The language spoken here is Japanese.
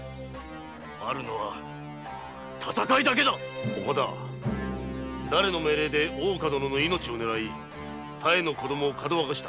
あるのは戦いだけだ岡田だれの命令で大岡殿の命をねらい妙の子供をかどわかした？